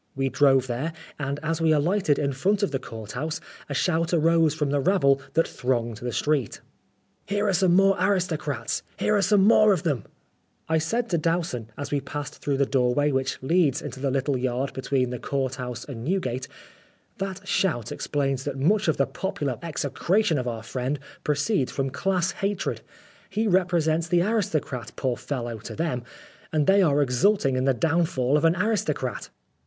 We drove there, and as we alighted in front of the court house, a shout arose from the rabble that thronged the street, " Here are some more aristocrats! Here are some more of them !" I said to Dowson, as we passed through the doorway which leads into the little yard between the court house and Newgate, "That shout explains that much of the popular execration of our friend proceeds from class hatred. He represents the aristocrat, poor fellow, to them, and they are exulting in the downfall of an aristocrat."